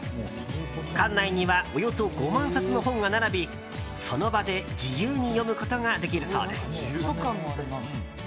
館内にはおよそ５万冊の本が並びその場で自由に読むことができるそうです。